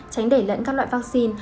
tránh để lẫn các loại vaccine